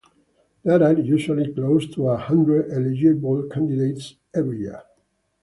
There are usually close to a hundred eligible candidates every year.